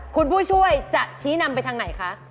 คุณผู้ช่วยจะชี้นำไปทางไหนคะ